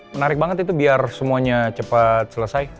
menarik banget itu biar semuanya cepat selesai